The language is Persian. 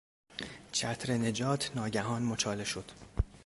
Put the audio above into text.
چتر نجات ناگهان مچاله شد.